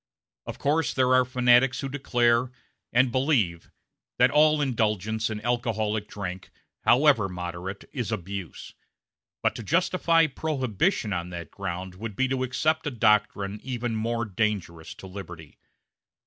A Of course there are fanatics who declare and believe that all indulgence in alcoholic drink, however moderate, is abuse; but to justify Prohibition on that ground would be to accept a doctrine even more dangerous to liberty.